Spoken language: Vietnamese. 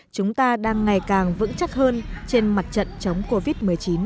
chúng ta đang ngày càng vững chắc hơn trên mặt trận chống covid một mươi chín